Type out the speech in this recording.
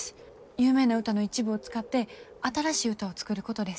有名な歌の一部を使って新しい歌を作ることです。